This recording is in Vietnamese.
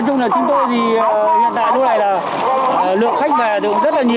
nói chung là chúng tôi thì hiện tại lúc này là lượng khách về thì cũng rất là nhiều